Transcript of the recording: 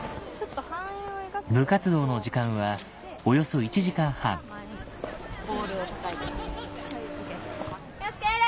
部活動の時間はおよそ１時間半気を付け礼！